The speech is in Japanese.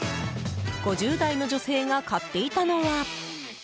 ５０代の女性が買っていたのは。